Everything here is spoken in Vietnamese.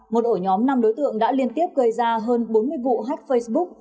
một ổ nhóm năm đối tượng đã liên tiếp gây ra hơn bốn mươi vụ hách facebook